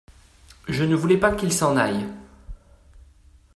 Je ne voulais pas qu’il s’en aille.